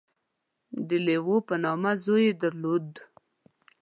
• د لیو په نامه زوی یې درلود.